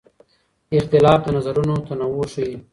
اختلاف د نظرونو تنوع ښيي.